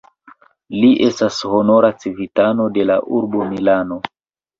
Li estas honora civitano de la urbo Milano.